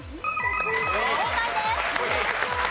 正解です。